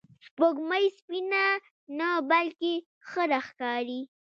سپوږمۍ سپینه نه، بلکې خړه ښکاري